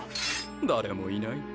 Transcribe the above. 誰もいない